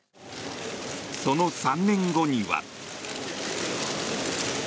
その３年後には。